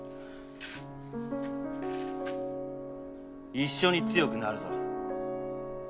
一緒に強くなるぞ。